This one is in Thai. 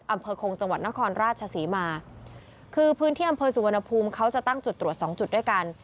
อำเภอคงจังหวัดนครราชศรีมาคือพื้นที่อำเภอสุวรรณภูมิเขาจะตั้งจุดตรวจสองจุดด้วยกัน